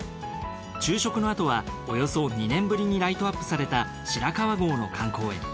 昼食のあとはおよそ２年ぶりにライトアップされた白川郷の観光へ。